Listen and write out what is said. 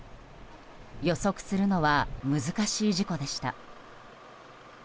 予測するのは難しい事故でした。